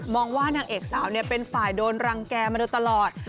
ว่านางเอกสาวเป็นฝ่ายโดนรังแก่มาโดยตลอด